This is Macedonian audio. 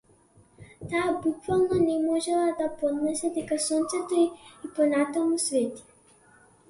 Таа буквално не можела да поднесе дека сонцето и понатаму свети.